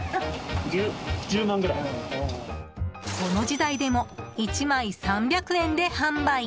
この時代でも１枚３００円で販売。